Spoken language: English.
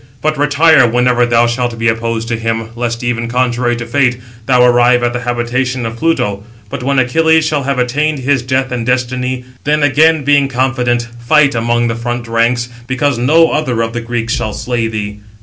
But retire whenever thou shalt be opposed to him, lest, even contrary to fate, thou arrive at the habitation of Pluto. But when Achilles shall have attained his death and destiny, then again, being confident, fight among the front ranks, because no other of the Greeks shall slay thee."